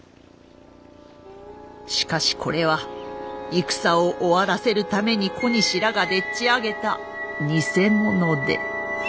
しかしこれは戦を終わらせるために小西らがでっちあげた偽物で。